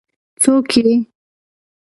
ـ څوک یې؟